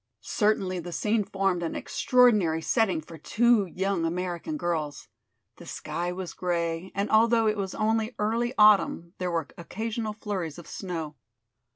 Certainly the scene formed an extraordinary setting for two young American girls! The sky was gray, and although it was only early autumn, there were occasional flurries of snow.